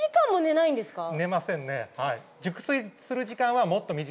寝ませんね。